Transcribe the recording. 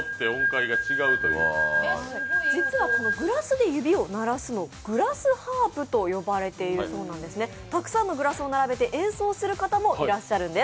実はグラスで奏でるのがグラスハープと呼ばれるんですがたくさんのグラスを並べて演奏する方もいらっしゃるんです。